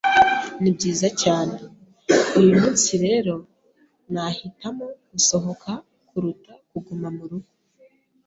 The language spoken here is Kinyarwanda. Nibyiza cyane uyumunsi rero nahitamo gusohoka kuruta kuguma murugo.